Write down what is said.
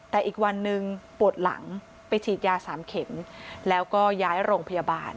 แต่อีกวันหนึ่งปวดหลังไปฉีดยา๓เข็มแล้วก็ย้ายโรงพยาบาล